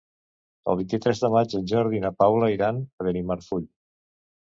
El vint-i-tres de maig en Jordi i na Paula iran a Benimarfull.